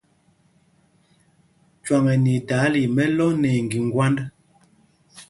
Cwâŋ ɛ nɛ idaala í mɛ̄lɔ̄ nɛ iŋgiŋgwand.